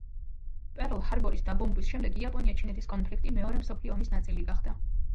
პერლ-ჰარბორის დაბომბვის შემდეგ იაპონია-ჩინეთის კონფლიქტი მეორე მსოფლიო ომის ნაწილი გახდა.